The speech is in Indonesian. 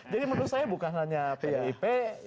jadi menurut saya bukan hanya pip